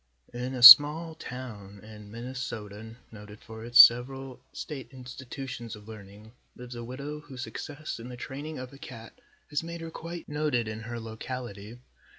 In a small town in Minnesota, noted for its several state institutions of learning, lives a widow whose success in the training of a cat has made her quite noted in her locality.